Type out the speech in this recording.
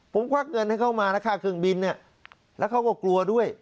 ผมควักเงินให้เขามาแล้วค่าเครื่องบินเนี่ยแล้วเขาก็กลัวด้วย